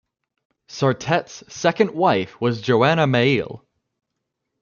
Sarstedt's second wife was Joanna Meill.